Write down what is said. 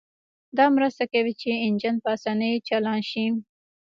دا مرسته کوي چې انجن په اسانۍ چالان شي